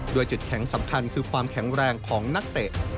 โดยจุดแข็งสำคัญคือความแข็งแรงของนักเตะ